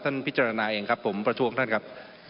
พิจารณาเองครับผมประท้วงท่านครับ